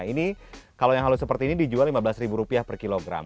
ini kalau yang halus seperti ini dijual rp lima belas per kilogram